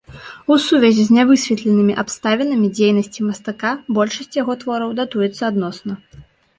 У сувязі з нявысветленымі абставінамі дзейнасці мастака большасць яго твораў датуецца адносна.